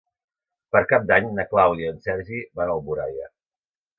Per Cap d'Any na Clàudia i en Sergi van a Alboraia.